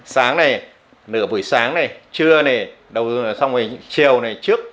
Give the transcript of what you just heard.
sáng này nửa buổi sáng này trưa này đầu dương này xong rồi chiều này trước